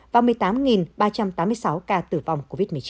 và một mươi tám triệu ca tử vong